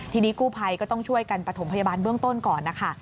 ทีนี้กู้ภัยก็ต้องช่วยกันประถมพยาบาลเบื้องต้นก่อนนะคะ